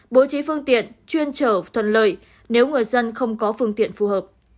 bố trí phương tiện chuyên trở thuận lợi nếu người dân không có phương tiện phù hợp